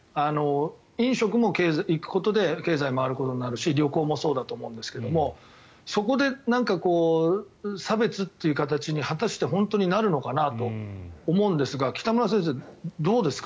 飲食も行くことで経済回ることになるし旅行もそうだと思うんですけどもそこで差別という形に果たして本当になるのかなと思うんですが北村先生、どうですか。